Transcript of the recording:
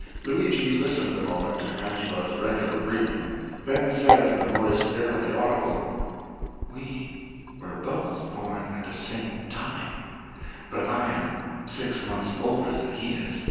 Luigi listened a moment to Angelo's regular breathing, then said in a voice barely audible: "We were both born at the same time, but I am six months older than he is."